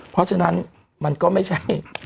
เพราะฉะนั้นมันก็ไม่ใช่